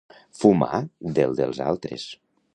Fumar del dels altres.